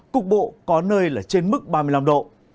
cục bộ có nơi là trên mức ba mươi năm độ